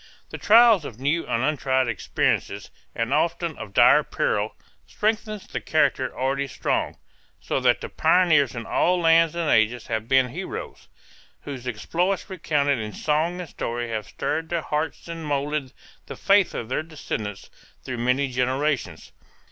The trials of new and untried experiences and often of dire peril strengthen the character already strong, so that the pioneers in all lands and ages have been heroes whose exploits recounted in song and story have stirred the hearts and molded the faith of their descendants through many generations.